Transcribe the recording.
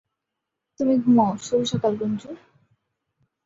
তুমি ঘুমোও শুভ সকাল, গুঞ্জু!